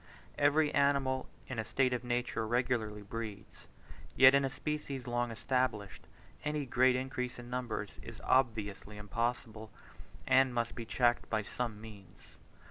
Every animal in a state of nature regularly breeds; yet in a species long established, any great increase in numbers is obviously impossible, and must be checked by some means.